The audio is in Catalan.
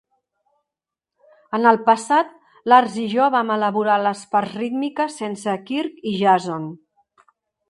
En el passat, Lars i jo vam elaborar les parts rítmiques sense Kirk i Jason.